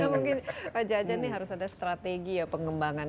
bagaimana saja ini harus ada strategi ya pengembangan